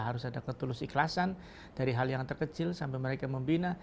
harus ada ketulus ikhlasan dari hal yang terkecil sampai mereka membina